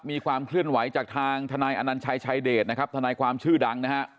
มีความเคลื่อนไหวจากทางทนายอนัญชัยชายเดชนะครับทนายความชื่อดังนะฮะ